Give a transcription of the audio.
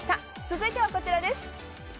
続いてはこちらです。